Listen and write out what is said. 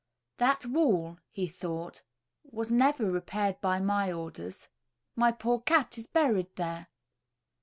That wall, he thought, was never repaired by my orders; my poor cat is buried there.